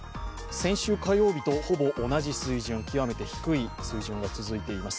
先週火曜日とほぼ同じ水準、極めて低い水準が続いています。